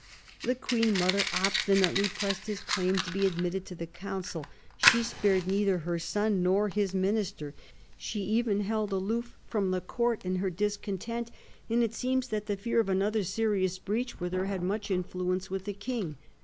The Queen mother obstinately pressed his claim to be admitted to the Council; she spared neither her son nor his Minister ; she even held aloof from the Court in her discontent, and it seems that the fear of another serious breach with her had much influence with the Kmg.